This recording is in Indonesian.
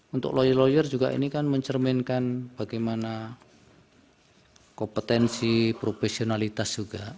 untuk lawyer lawyer juga ini kan mencerminkan bagaimana kompetensi profesionalitas juga